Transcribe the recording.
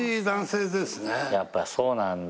やっぱそうなんだ。